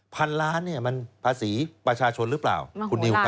พันล้านเนี่ยมันภาษีประชาชนหรือเปล่าคุณนิว